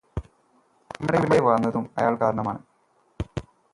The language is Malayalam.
നമ്മളിവിടെ വന്നതും അയാള് കാരണമാണ്